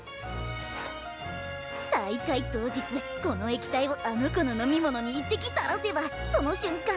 大会当日この液体をあの子の飲み物に１滴たらせばその瞬間